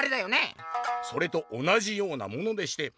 「それと同じようなものでして」。